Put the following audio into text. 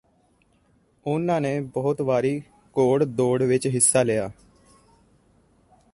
ਉਨ੍ਹਾਂ ਨੇ ਬਹੁਤ ਵਾਰੀ ਘੋੜ ਦੌੜ ਵਿਚ ਹਿੱਸਾ ਲਿਆ